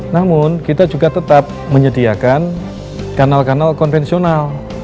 namun kita juga tetap menyediakan kanal kanal konvensional